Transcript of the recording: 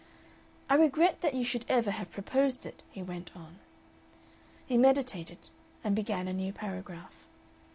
"I regret that you should ever have proposed it," he went on. He meditated, and began a new paragraph.